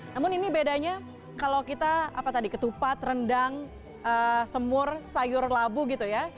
namun ini bedanya kalau kita apa tadi ketupat rendang semur sayur labu gitu ya